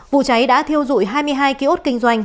vụ cháy đã thiêu dụi hai mươi hai ký ốt kinh doanh